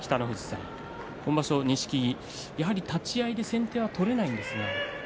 今場所の錦木、立ち合いで先手が取れないんですね。